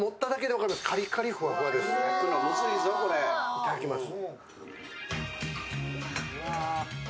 いただきます。